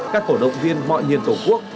các cổ động viên mọi nhiền tổ quốc